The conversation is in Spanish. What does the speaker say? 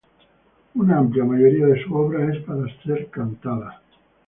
Una amplia mayoría de su obra es para ser cantada.